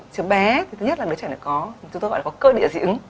chứ bé thứ nhất là đứa trẻ này có cơ địa dị ứng